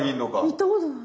行ったことない。